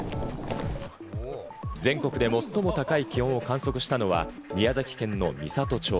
全国で最も高い気温を観測したのは宮崎県の美郷町。